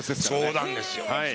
そうなんですよ。